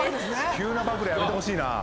急な暴露やめてほしいな。